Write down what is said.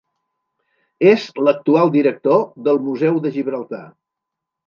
És l'actual director del Museu de Gibraltar.